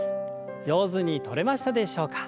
上手にとれましたでしょうか。